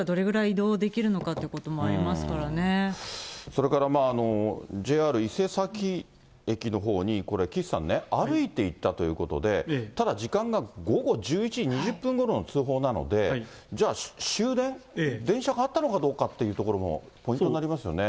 それからＪＲ伊勢崎駅のほうにこれ、岸さんね、歩いて行ったということで、ただ時間が午後１１時２０分ごろの通報なので、じゃあ、終電、電車があったのかどうかっていうところもポイントになりますよね。